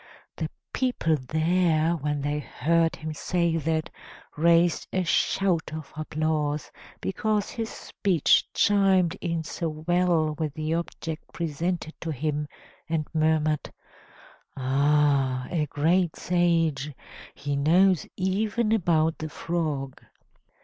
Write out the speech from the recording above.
The people there, when they heard him say that, raised a shout of applause, because his speech chimed in so well with the object presented to him, and murmured: "Ah! a great sage; he knows even about the frog!"